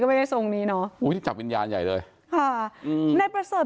ก็ไม่ได้ส่งนี้เนอะจับวิญญาณใหญ่เลยค่ะนายบทเสิร์ฟ